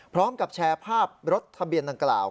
พร้อมกับแชร์ภาพรถทะเบียนดังกล่าว